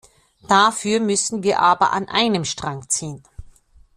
Dafür müssen wir aber an einem Strang ziehen.